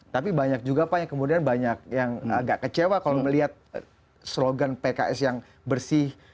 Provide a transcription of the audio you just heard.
tapi banyak juga pak yang kemudian banyak yang agak kecewa kalau melihat slogan pks yang bersih